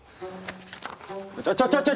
ちょちょちょちょ！